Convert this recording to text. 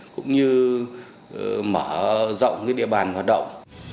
cũng như mở rộng địa bàn hoạt động